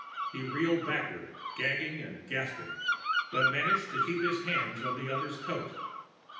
He reeled backward, gagging and gasping, but managed to keep his hand on the other's coat.